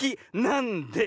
なんで？